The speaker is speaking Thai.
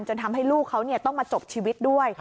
ทำให้ลูกเขาต้องมาจบชีวิตด้วย